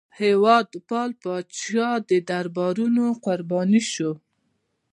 هېوادپال پاچا د درباریانو قرباني شو.